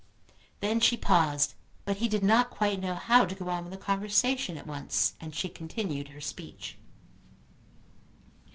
Then she paused; but he did not quite know how to go on with the conversation at once, and she continued her speech.